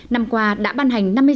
năm qua đã ban hành